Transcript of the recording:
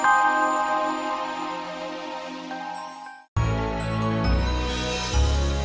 goal masa saya menjadi proyektor di indonesia